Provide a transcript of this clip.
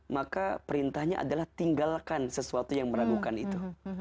maka perintahnya adalah tinggalkan sesuatu yang meragukan itu